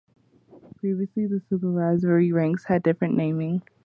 Previously, the supervisory ranks had different naming.